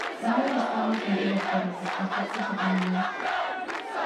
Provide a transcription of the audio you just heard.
Nada responde ás antigas formas, aos tactos aprendidos.